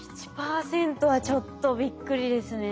１％はちょっとびっくりですね。